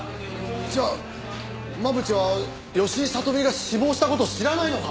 じゃあ真渕は吉井聡美が死亡した事知らないのか？